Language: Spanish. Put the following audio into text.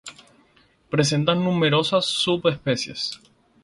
Presenta numerosas subespecies.